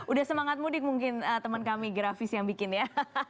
udah semangat mudik mungkin teman kami grafis yang bikin ya